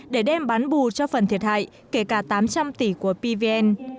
để đem bán bù cho phần thiệt hại kể cả tám trăm linh tỷ của pvn